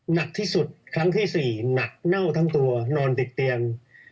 หนักที่สุดครั้งที่๔หนักเน่าทั้งตัวนอนติดเตียง